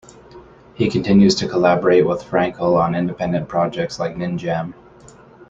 He continues to collaborate with Frankel on independent projects like Ninjam.